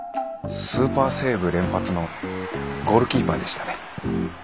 スーパーセーブ連発のゴールキーパーでしたね。